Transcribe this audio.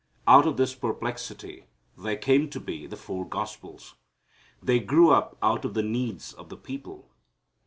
Out of this perplexity there came to be the four Gospels. They grew up out of the needs of the people.